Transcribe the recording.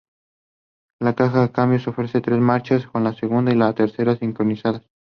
La caja de cambios ofrecía tres marchas, con la segunda y la tercera sincronizadas.